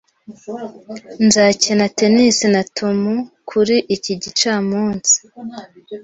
Nzakina tennis na Tom kuri iki gicamunsi,